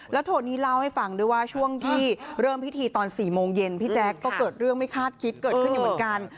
โทนี่เล่าให้ฟังด้วยว่าช่วงที่เริ่มพิธีตอน๔โมงเย็นพี่แจ๊คก็เกิดเรื่องไม่คาดคิดเกิดขึ้นอยู่เหมือนกัน